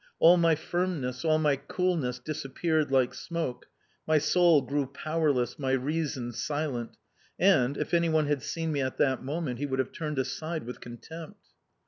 All my firmness, all my coolness, disappeared like smoke; my soul grew powerless, my reason silent, and, if anyone had seen me at that moment, he would have turned aside with contempt.